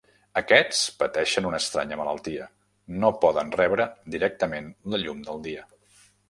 Aquests pateixen una estranya malaltia: no poden rebre directament la llum del dia.